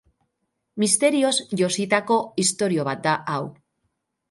Misterioz jositako istorio bat da hau.